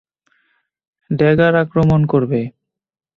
Dagger আক্রমণ করবে।